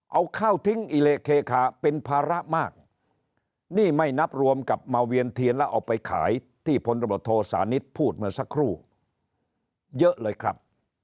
เอาข้าวทิ้งอิเลเคคาเป็นภาระมากนี่ไม่นับรวมกับมาเวียนเทียนแล้วเอาไปขายที่พลตำรวจโทษานิทพูดเมื่อสักครู่เยอะเลยครับ